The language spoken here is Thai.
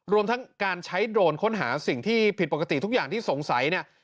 รวมทั้งการใช้โดรนค้นหาสิ่งที่ผิดปกติทุกอย่างที่สงสัยเนี่ย